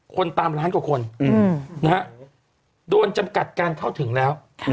คนตามล้านกว่าคนนะฮะโดนจำกัดการเข้าถึงแล้ว